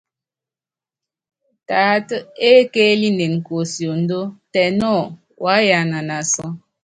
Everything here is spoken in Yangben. Taatá ékeélinen kuosiondó, tɛ nɔ, waá yana naasɔ́.